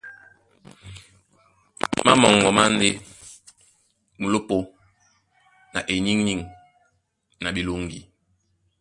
Má moŋgo má e ndé/ Mulópō na eniŋniŋ na ɓeloŋgi.